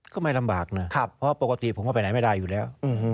ก็ไม่ลำบากนะเพราะปกติผมก็ไปไหนไม่ได้อยู่แล้ว